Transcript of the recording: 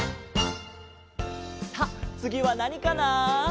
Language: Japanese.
さあつぎはなにかな？